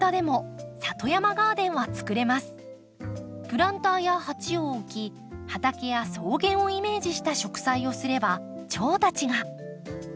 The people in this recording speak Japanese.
プランターや鉢を置き畑や草原をイメージした植栽をすればチョウたちが。